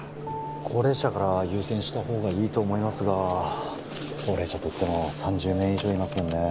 高齢者から優先したほうがいいと思いますが高齢者といっても３０名以上いますもんね